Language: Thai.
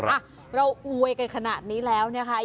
อ่ะเราอวยกันขนาดนี้แล้วนะคะ